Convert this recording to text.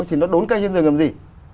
thì nó đốn cây trên rừng làm gì